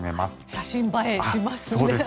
写真映えしますね。